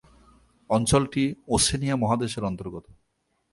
অঞ্চলটি ওশেনিয়া মহাদেশের অন্তর্গত।